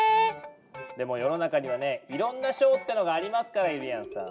でも世の中にはねいろんな賞ってのがありますからゆりやんさん。